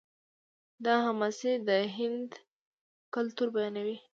دا حماسې د هند کلتور بیانوي.